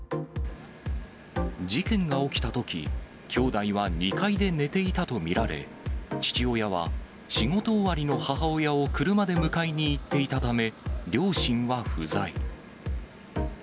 事件が起きたとき、兄弟は２階で寝ていたと見られ、父親は仕事終わりの母親を車で迎えにいっていたため、両親は不在。